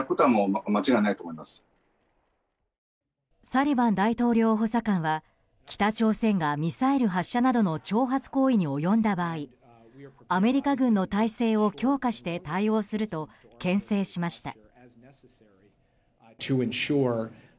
サリバン大統領補佐官は北朝鮮がミサイル発射などの挑発行為に及んだ場合アメリカ軍の態勢を強化して対応すると牽制しました。